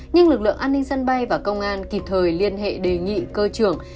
nhưng lực lượng an ninh sân bay và công an kịp thời liên hệ đề nghị cơ trưởng